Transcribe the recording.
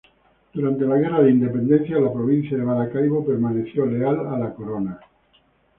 Durante la guerra de independencia la provincia de Maracaibo permaneció leal a la corona.